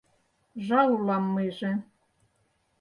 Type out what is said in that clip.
Жал улам мыйже -